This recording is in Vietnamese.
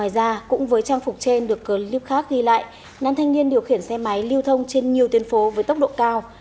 trước đó thì lại nạn thanh niên điều khiển xe máy lưu thông trên nhiều tuyến phố với tốc độ cao